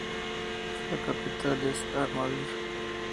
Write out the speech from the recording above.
La capital es Armavir.